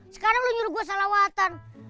sekarang lo nyuruh gue solawatan